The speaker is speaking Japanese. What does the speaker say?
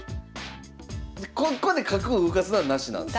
ここで角を動かすのはなしなんですね？